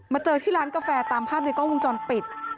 เจอที่ร้านกาแฟตามภาพในกล้องวงจรปิด